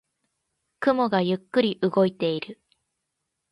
雲がゆっくり動いている。